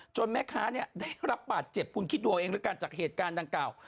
แม่ค้าเนี่ยได้รับบาดเจ็บคุณคิดดูเอาเองแล้วกันจากเหตุการณ์ดังกล่าว